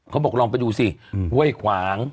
เขาบอกลองไปดูสิห้วยขวาง